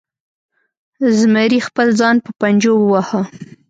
زمري خپل ځان په پنجو وواهه.